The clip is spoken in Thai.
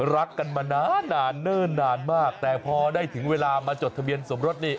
รักกันมานานเนิ่นนานมากแต่พอได้ถึงเวลามาจดทะเบียนสมรสนี่